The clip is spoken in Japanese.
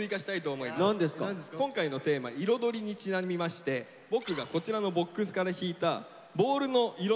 今回のテーマ「彩り」にちなみまして僕がこちらのボックスから引いたボールの色の。